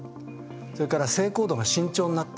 それから性行動が慎重になった。